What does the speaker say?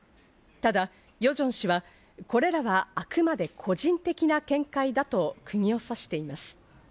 ただヨジョン氏はこれらはあくまで個人的な見解だとくぎを刺しています。